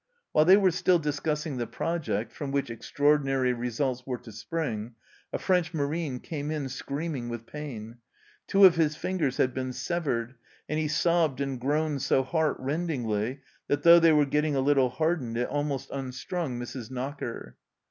While they were still discussing the project, from which extraordinary results were to spring, a French marine came in screaming with pain ; two of his fingers had been severed, and he sobbed and groaned so heart rendingly that, though they were getting a little hardened, it almost unstrung Mrs. Knocker.